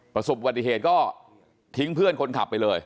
ประสบวัติเหตุก็ทิ้งเพื่อนคนขับไปเลย